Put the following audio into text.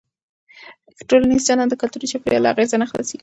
ټولنیز چلند د کلتوري چاپېریال له اغېزه نه خلاصېږي.